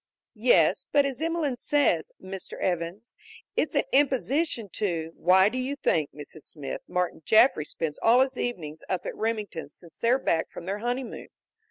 "Yes, but as Emelene says, Mr. Evans, it's an imposition to " "Why do you think, Mrs. Smith, Martin Jaffry spends all his evenings up at Remingtons' since they're back from their honeymoon?